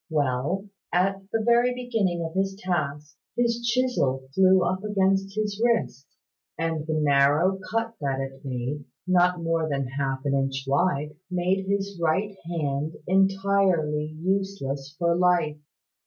Well, at the very beginning of his task, his chisel flew up against his wrist: and the narrow cut that it made, not more than half an inch wide, made his right hand entirely useless for life.